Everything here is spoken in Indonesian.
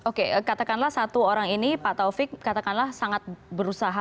oke katakanlah satu orang ini pak taufik katakanlah sangat berusaha